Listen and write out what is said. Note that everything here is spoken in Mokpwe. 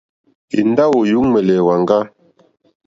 Èndáwò yǔŋwɛ̀lɛ̀ èwàŋgá.